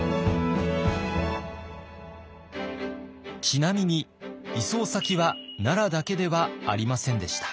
ちなみに移送先は奈良だけではありませんでした。